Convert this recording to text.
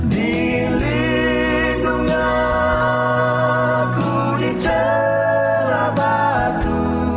dilindungi aku di celah batu